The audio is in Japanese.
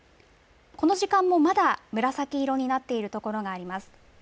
この時間もまだ紫色になっている所があります。